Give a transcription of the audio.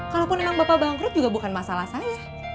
kalaupun memang bapak bangkrut juga bukan masalah saya